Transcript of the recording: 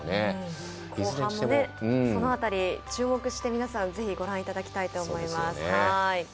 後半もその辺り注目してぜひご覧いただきたいと思います。